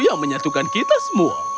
yang menyatukan kita semua